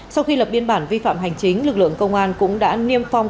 sau khi lập biên bản vi phạm hành chính lực lượng công an cũng đã niêm phong